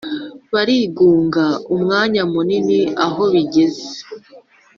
Barigunga umwanya munini Aho bigeze